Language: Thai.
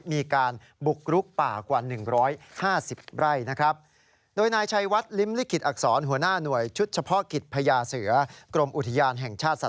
มีการบุกรุกป่ากว่า๑๕๐ไร่